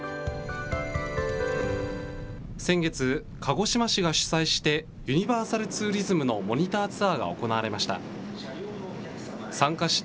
先月、鹿児島市が主催して、ユニバーサルツーリズムのモニターツアーが行われました。